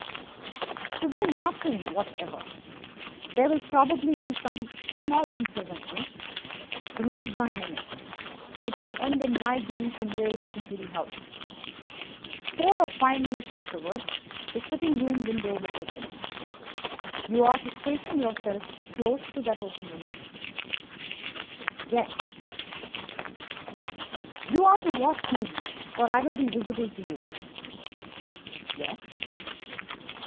"To do nothing whatever. There will probably be some small unpleasantness. Do not join in it. It will end in my being conveyed into the house. Four or five minutes afterwards the sitting room window will open. You are to station yourself close to that open window." "Yes." "You are to watch me, for I will be visible to you." "Yes."